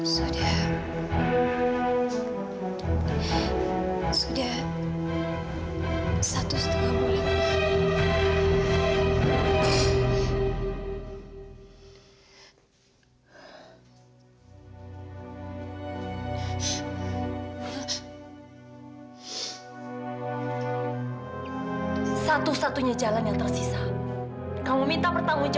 sudah berapa lama kamu mengandung mila